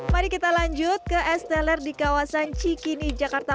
mari kita lanjut ke es teler di kawasan cikini jakarta